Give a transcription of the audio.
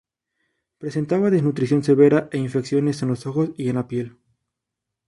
Presentaba desnutrición severa, e infecciones en los ojos y en la piel.